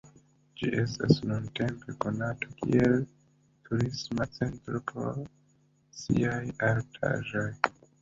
Ĝi estas nuntempe konata kiel turisma centro pro siaj artaĵoj.